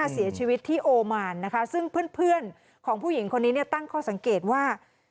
เสียชีวิตที่โอมานนะคะซึ่งเพื่อนของผู้หญิงคนนี้เนี่ยตั้งข้อสังเกตว่า